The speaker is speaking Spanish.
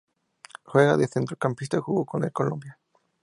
Juega de Centrocampista.Jugó con el de Colombia.